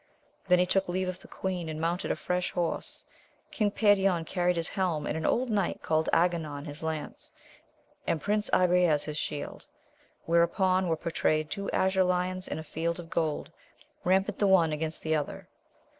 Then he took leave of the queen, and mounted a fresh horse. King Perion carried his helm, and an old knight called Aganon his lance, and Prince Agrayes his shield, whereon were pourtrayed two azure lions in a field of gold, rampant the one against the other.